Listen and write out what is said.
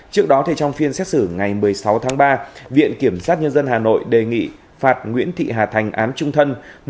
trước đó trong phiên xét xử ngày một mươi sáu tháng ba viện kiểm sát nhân dân hà nội đề nghị phạt nguyễn thị hà thành án trung thân